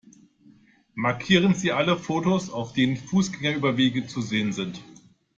Markieren Sie alle Fotos, auf denen Fußgängerüberwege zu sehen sind!